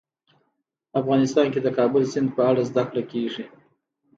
افغانستان کې د کابل سیند په اړه زده کړه کېږي.